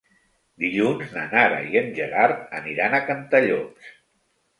Dilluns na Nara i en Gerard aniran a Cantallops.